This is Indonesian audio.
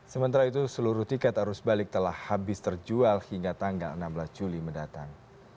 sementara itu seluruh tiket arus balik telah habis terjual hingga tanggal enam belas juli mendatang